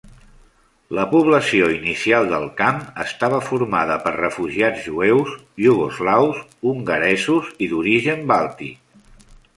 La població inicial del camp estava formada per refugiats jueus, iugoslaus, hongaresos i d'origen bàltic.